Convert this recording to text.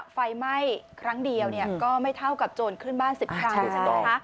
ไฟไหม้ครั้งเดียวก็ไม่เท่ากับโจรขึ้นบ้าน๑๐ครั้งใช่ไหมคะ